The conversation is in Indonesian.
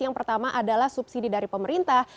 yang pertama adalah subsidi dari pemerintah